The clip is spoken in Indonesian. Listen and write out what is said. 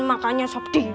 makanya sob dingin